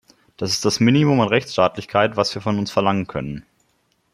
Das ist das Minimum an Rechtstaatlichkeit, was wir von uns verlangen können.